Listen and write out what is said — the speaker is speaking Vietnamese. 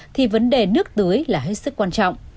thì vấn đề nước tưới là hết sức quan trọng